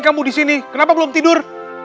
kamu disini kenapa belum tidur